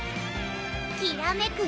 きらめく